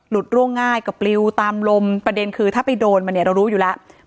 ร่วงง่ายก็ปลิวตามลมประเด็นคือถ้าไปโดนมาเนี่ยเรารู้อยู่แล้ว